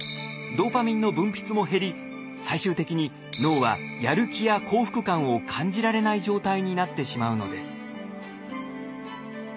ドーパミンの分泌も減り最終的に脳はやる気や幸福感を感じられない状態になってしまうのです。